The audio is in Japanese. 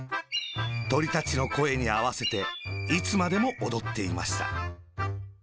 トリたちのこえにあわせて、いつまでもおどっていました。